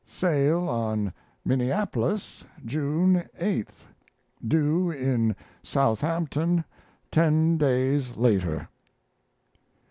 Sail on Minneapolis June 8th. Due in Southampton ten days later.